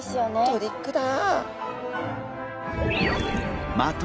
トリックだ！